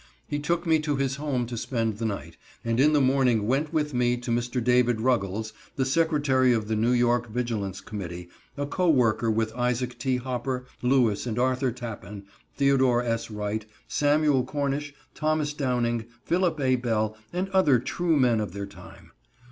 He took me to his home to spend the night, and in the morning went with me to Mr. David Ruggles, the secretary of the New York Vigilance Committee, a co worker with Isaac T. Hopper, Lewis and Arthur Tappan, Theodore S. Wright, Samuel Cornish, Thomas Downing, Philip A. Bell, and other true men of their time.